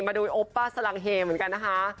มาดูโอป้าสลังเฮเหมือนกันนะคะ